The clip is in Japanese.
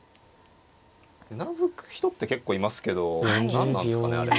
うなずく人って結構いますけど何なんすかねあれ。